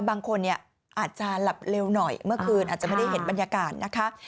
บางคนเนี่ยอาจจะหลับเร็วหน่อยเมื่อคืนอาจจะไม่ได้เห็นบรรยากาศนะคะ